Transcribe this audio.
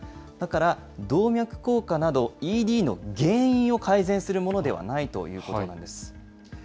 だから動脈硬化などＥＤの原因を改善するものではないということなんです。